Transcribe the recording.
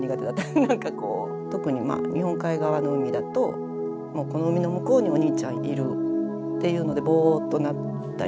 なんかこう特に日本海側の海だともうこの海の向こうにお兄ちゃんいるっていうのでボーッとなったり。